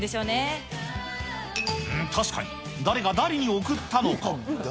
確かに、誰が誰に贈ったのか。